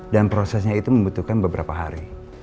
dan prosesnya itu membutuhkan beberapa hari